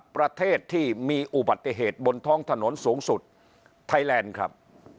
ประเทศที่มีอุบัติเหตุบนท้องถนนสูงสุดไทยแลนด์ครับ